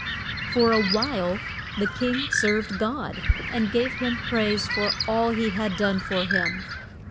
For a while the king served God and gave him praise for all he had done for him.